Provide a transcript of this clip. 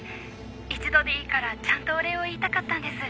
一度でいいからちゃんとお礼を言いたかったんです。